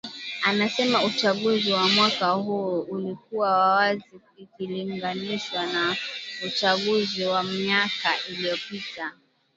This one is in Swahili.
Anasema uchaguzi wa mwaka huu ulikuwa wa wazi ikilinganishwa na uchaguzi wa miaka iliyopita